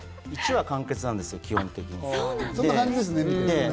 １話完結なんですよ、基本的に。